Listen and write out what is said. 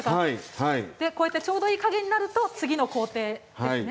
ちょうどいい加減になると次の工程ですね。